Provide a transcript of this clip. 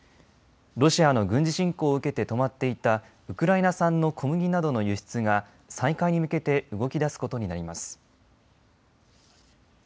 ロシアの軍事侵攻を受けて止まっていたウクライナ産の小麦などの輸出が再開に向けて動き出すことになります。